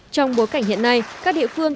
trong bối cảnh hiện nay các địa phương